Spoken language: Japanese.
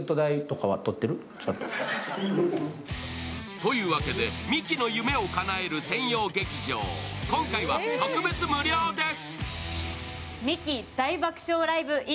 というわけで、ミキの夢をかなえる専用劇場、今回は特別無料です。